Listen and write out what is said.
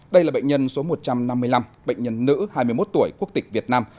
đây là bệnh nhân số một trăm năm mươi năm bệnh nhân nữ hai mươi một tuổi quốc tịch việt nam